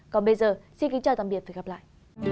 còn bây giờ xin kính chào tạm biệt và hẹn gặp lại